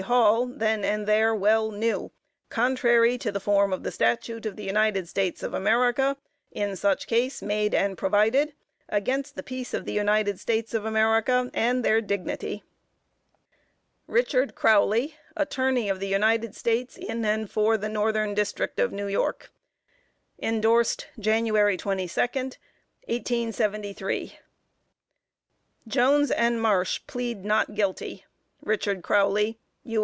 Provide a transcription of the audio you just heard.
Hall, then and there well knew, contrary to the form of the statute of the United States of America in such case made and provided, against the peace of the United States of America and their dignity. RICHARD CROWLEY, Attorney of the United States, in and for the Northern District of New York. (Endorsed.) January 22, 1873. Jones and Marsh plead not guilty. RICHARD CROWLEY, U.